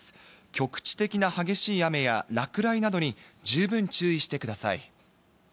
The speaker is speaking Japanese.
局地的な激しい雨や落雷などに十分注意してください。